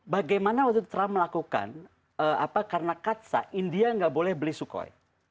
bagaimana waktu trump melakukan karena kaca india nggak boleh beli sukhoi